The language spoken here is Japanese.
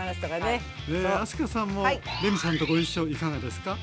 明日香さんもレミさんとご一緒いかがですか？